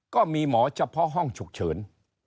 ก็มีหมอเฉพาะห้องฉุกเฉิน